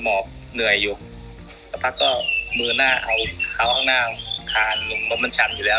เหนื่อยอยู่แล้วพักก็มือหน้าเอาข้าวข้างหน้าทานลงมันชันอยู่แล้ว